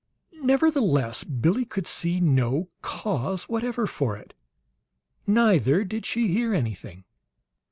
Nevertheless, Billie could see no cause whatever for it; neither did she hear anything.